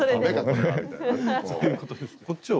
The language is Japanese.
こっちを。